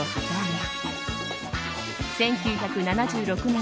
１９７２年